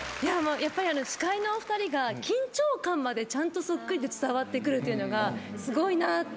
やっぱり司会のお二人が緊張感までちゃんとそっくりで伝わってくるというのがすごいなって。